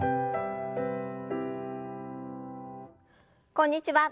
こんにちは。